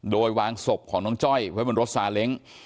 โดยวางศพของน้องจ้อยไว้บนรถซาเล้ง